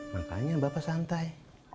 makanya bapak santai